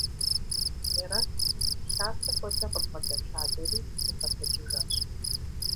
Мерэт, лъэта хуэдэ къыбгъэдэлъадэри къигъэтэджыжащ.